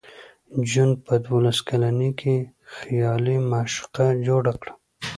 جون په دولس کلنۍ کې خیالي معشوقه جوړه کړه